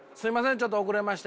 ちょっと遅れまして。